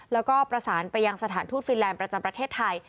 แล้วก็ประสานไปยังสถานทูตฟินแลนด์ประจำประเทศไทย